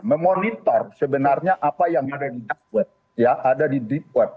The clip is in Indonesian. memonitor sebenarnya apa yang ada di dark web ada di deep web